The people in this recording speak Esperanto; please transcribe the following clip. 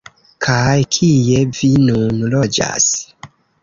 Kaj kie vi nun loĝas?